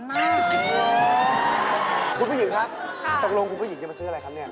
โอ้โฮคุณผู้หญิงครับตกลงคุณผู้หญิงจะมาซื้ออะไรครับ